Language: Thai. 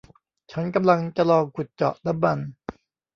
ฉันกำลังจะลองขุดเจาะน้ำมัน